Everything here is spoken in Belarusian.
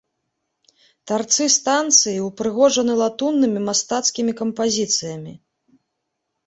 Тарцы станцыі ўпрыгожаны латуннымі мастацкімі кампазіцыямі.